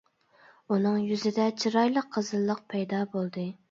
ئۇنىڭ يۈزىدە چىرايلىق قىزىللىق پەيدا بولدى.